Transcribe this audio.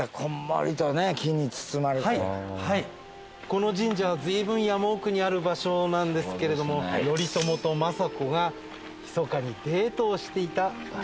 この神社は随分山奥にある場所なんですけれども頼朝と政子がひそかにデートをしていた場所なんです。